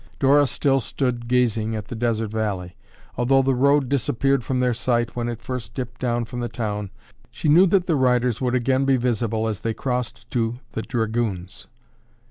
Dora still stood gazing at the desert valley. Although the road disappeared from their sight when it first dipped down from the town, she knew that the riders would again be visible as they crossed to "The Dragoons."